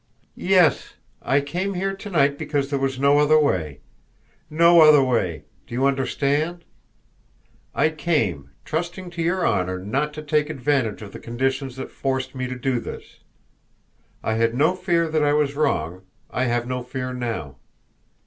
"Yes! I came here to night because there was no other way. No other way do you understand? I came, trusting to your honour not to take advantage of the conditions that forced me to do this. I had no fear that I was wrong I have no fear now.